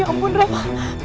ya ampun rafa